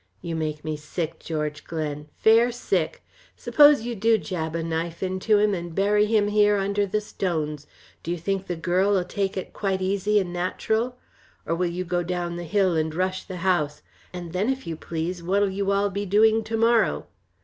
You make me sick, George Glen fair sick! Suppose you do jab a knife into him, and bury him here under the stones, do you think the girl'll take it quite easy and natural? Or will you go down the hill and rush the house? And then if you please, what'll you all be doing to morrow?